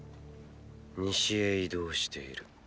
西へ移動している。